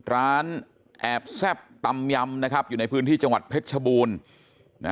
ร้านแอบแซ่บตำยำนะครับอยู่ในพื้นที่จังหวัดเพชรชบูรณ์นะ